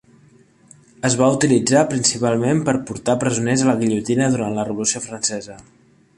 Es va utilitzar principalment per portar presoners a la guillotina durant la Revolució Francesa.